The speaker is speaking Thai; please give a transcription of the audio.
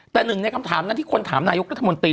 แต่หนึ่งในคำถามนั้นที่คนถามนายกรัฐมนตรี